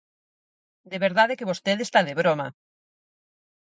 De verdade que vostede está de broma.